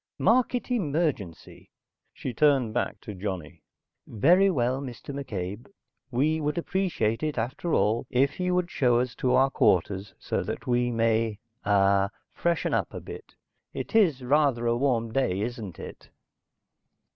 "Mark it emergency." She turned back to Johnny. "Very well, Mr. McCabe, we would appreciate it, after all, if you would show us to our quarters so that we may ah freshen up a bit. It is rather a warm day, isn't it?"